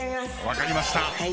分かりました。